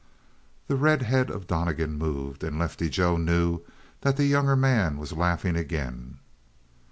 The red head of Donnegan moved, and Lefty Joe knew that the younger man was laughing again.